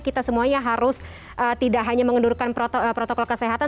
kita semuanya harus tidak hanya mengendurkan protokol kesehatan